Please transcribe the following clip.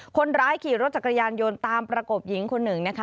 คนร้ายขี่รถจักรยานยนต์ตามประกบหญิงคนหนึ่งนะคะ